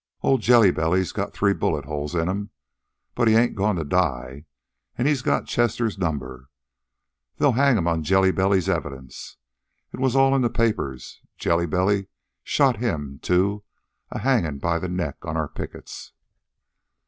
Old Jelly Belly's got three bullet holes in him, but he ain't goin' to die, and he's got Chester's number. They'll hang'm on Jelly Belly's evidence. It was all in the papers. Jelly Belly shot him, too, a hangin' by the neck on our pickets."